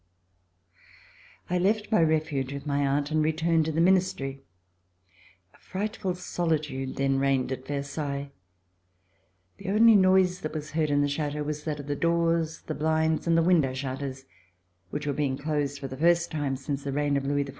I left my refuge with my aunt and returned to the Ministry. A frightful solitude then reigned at Ver sailles. The only noise which was heard in the Chateau was that of the doors, the blinds and the window shutters which were being closed for the first time since the reign of Louis XIV.